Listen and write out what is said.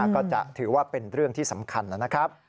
ก็จะถือว่าเป็นเรื่องที่สำคัญนะครับ